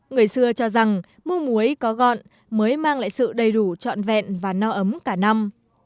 người xưa cho rằng mua muối có gọn mới mang lại sự đầy đủ trọn vẹn và no ấm cả năm